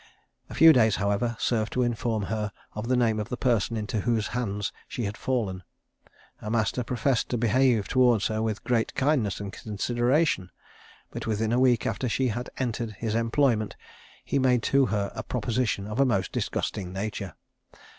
A few days, however, served to inform her of the name of the person into whose hands she had fallen. Her master professed to behave towards her with great kindness and consideration; but within a week after she had entered his employment, he made to her a proposition of a most disgusting nature.